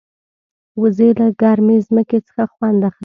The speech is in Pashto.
وزې له ګرمې ځمکې څخه خوند اخلي